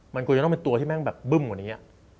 มันควรจะต้องเป็นตัวที่แม่งแบบบึ้มกว่านี้